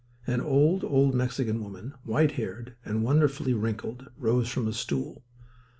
An old, old Mexican woman, white haired and wonderfully wrinkled, rose from a stool.